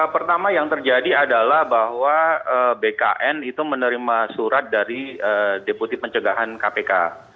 pertama yang terjadi adalah bahwa bkn itu menerima surat dari deputi pencegahan kpk